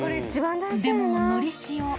でものりしお。